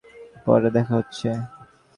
পরে দেখা হচ্ছে।